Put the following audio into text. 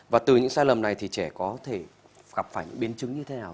và từ những sai lầm này thì trẻ có thể gặp phải những biến chứng như thế nào về sức khỏe ạ